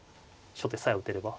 初手さえ打てれば。